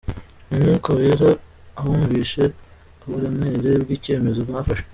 Umwuka Wera abumvishe uburemere bwi Icyemezo mwafashe.